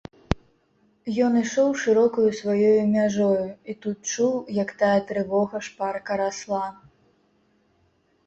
Ён ішоў шырокаю сваёю мяжою і тут чуў, як тая трывога шпарка расла.